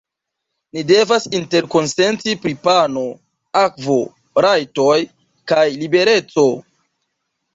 Ni devas interkonsenti pri pano, akvo, rajtoj kaj libereco.